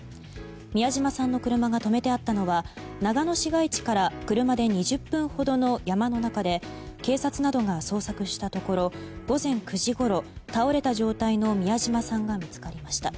宮島さんの車が止めてあったのは長野市街地から車で２０分ほどの山の中で警察などが捜索したところ午前９時ごろ倒れた状態の宮島さんが見つかりました。